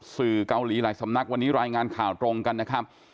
สื่อเกาหลีหลายสำนักวันนี้รายงานข่าวตรงกันนะครับ